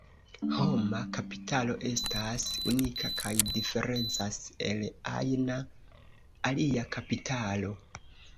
Homa kapitalo estas unika kaj diferencas el ajna alia kapitalo.